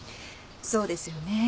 そうですよね。